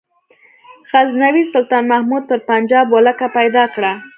غزنوي سلطان محمود پر پنجاب ولکه پیدا کړه.